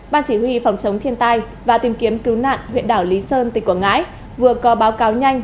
ban chỉ huy phòng chống thiên tai và tìm kiếm cứu nạn huyện đảo lý sơn tỉnh quảng ngãi vừa có báo cáo nhanh